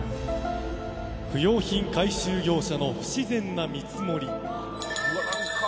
不用品回収業者の不自然な見積もり。